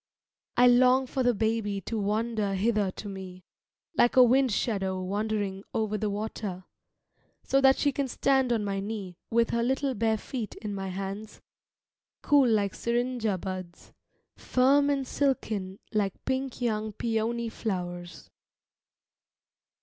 I long for the baby to wander hither to me Like a wind shadow wandering over the water, So that she can stand on my knee With her little bare feet in my hands, Cool like syringa buds, Firm and silken like pink young peony flowers.